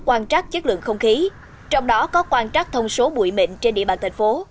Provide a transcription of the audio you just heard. quan trắc chất lượng không khí trong đó có quan trắc thông số bụi mịn trên địa bàn thành phố